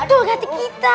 betul gati kita